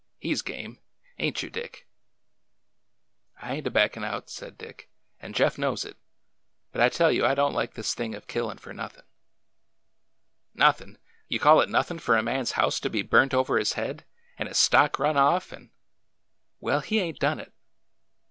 He 's game. Ain't you, Dick ?" I ain't a backin' out," said Dick, and Jeff knows it, but I tell you I don't like this thing of killin' fur nothin'." Nothin' ! You call it nothin' for a man's house to be burnt over his head, and his stock run off, and —" Well, he ain't done it